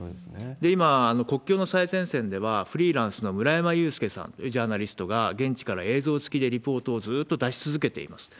今、国境の最前線ではフリーランスのむらやまゆうすけさんというジャーナリストが現地から映像つきでリポートをずっと出し続けています。